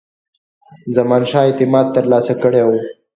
زمانشاه اعتماد ترلاسه کړی وو.